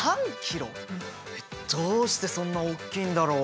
どうしてそんなおっきいんだろう？